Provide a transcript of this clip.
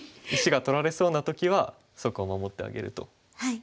石が取られそうな時はそこを守ってあげると。